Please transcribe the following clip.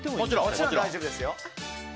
もちろん大丈夫ですよ。